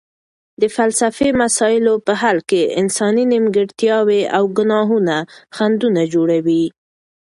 د فلسفي مسایلو په حل کې انساني نیمګړتیاوې او ګناهونه خنډونه جوړوي.